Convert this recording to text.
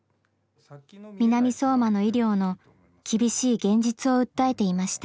南相馬の医療の厳しい現実を訴えていました。